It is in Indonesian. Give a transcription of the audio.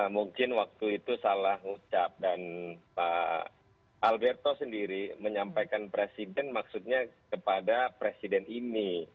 mungkin waktu itu salah ucap dan pak alberto sendiri menyampaikan presiden maksudnya kepada presiden ini